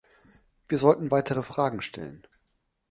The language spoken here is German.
Wir sollten weitere Fragen stellen.